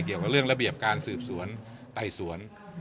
เกี่ยวกับเรื่องระเบียบการสืบสวนไต่สวน